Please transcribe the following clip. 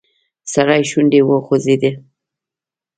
سړي شونډې وخوځېدې.